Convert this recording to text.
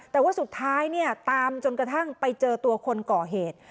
แต่ว่าสุดท้ายเนี่ยตามจนกระทั่งไปเจอตัวคนก่อเหตุ